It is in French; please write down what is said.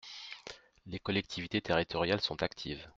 Les collectivités territoriales sont actives.